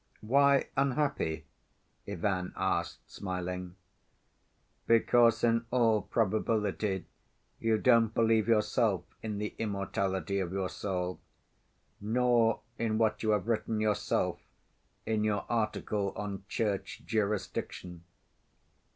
"Why unhappy?" Ivan asked smiling. "Because, in all probability you don't believe yourself in the immortality of your soul, nor in what you have written yourself in your article on Church jurisdiction."